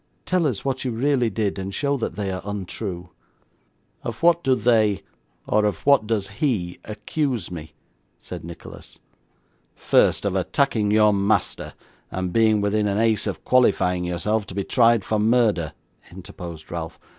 Tell us what you really did, and show that they are untrue.' 'Of what do they or of what does he accuse me?' said Nicholas. 'First, of attacking your master, and being within an ace of qualifying yourself to be tried for murder,' interposed Ralph.